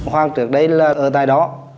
hoàng trước đây là ở tại đó